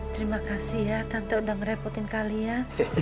terima kasih ya tante udah ngerepotin kalian